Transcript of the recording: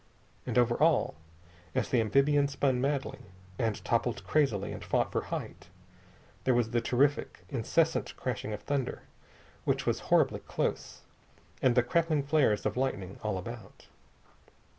And over all, as the amphibian spun madly, and toppled crazily and fought for height, there was the terrific, incessant crashing of thunder which was horribly close, and the crackling flares of lightning all about.